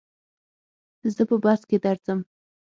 زه په بس کي درځم.